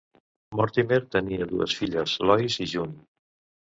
Mortimer tenia dues filles, Lois i June.